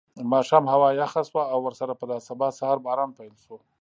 ماښام هوا یخه شوه او ورسره په دا سبا سهار باران پیل شو.